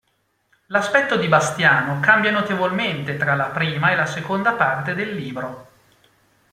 L'aspetto di Bastiano cambia notevolmente tra la prima e la seconda parte del libro.